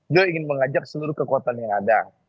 dia ingin mengajak seluruh kekuatan yang ada